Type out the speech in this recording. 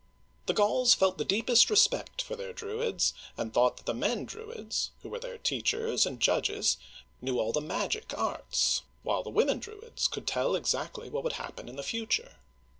The Gauls felt the deepest respect for their Druids, and thought that the men Druids — who were their teachers and judges — knew all the magic arts, while the women Druids could tell exactly what would happen in the future.